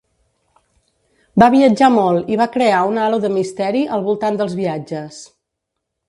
Va viatjar molt i va crear un halo de misteri al voltant dels viatges.